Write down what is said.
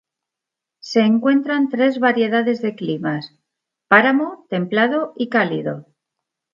Se encuentran tres variedades de climas: páramo, templado y cálido.